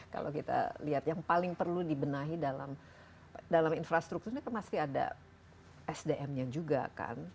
kalau kita lihat yang paling perlu dibenahi dalam infrastruktur ini kan pasti ada sdm nya juga kan